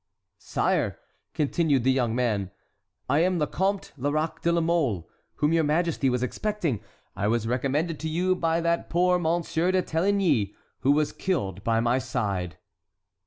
"Sire," continued the young man, "I am the Comte Lerac de la Mole, whom your majesty was expecting; I was recommended to you by that poor Monsieur de Téligny, who was killed by my side."